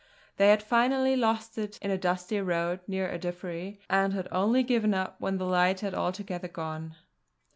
They had finally lost it in a dusty road near Ardiffery and had only given up when the light had altogether gone.